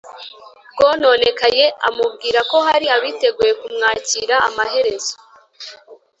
rwononekaye, amubwira ko hari abiteguye kumwakira. amaherezo